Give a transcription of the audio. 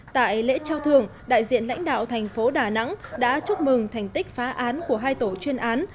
tại lễ trao thường đại diện lãnh đạo thành phố đà nẵng đã chúc mừng thành tích phá án của hai tổ chuyên án